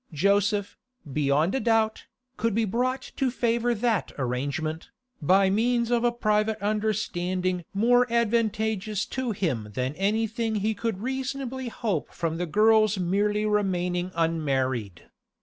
Joseph, beyond a doubt, could be brought to favour that arrangement, by means of a private understanding more advantageous to him than anything he could reasonably hope from the girl's merely remaining unmarried.